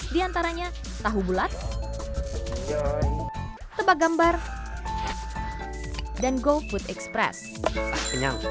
diantaranya tahu bulat tebak gambar dan go food express